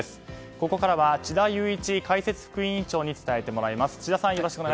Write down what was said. ここから智田裕一解説副委員長に伝えてもらいます。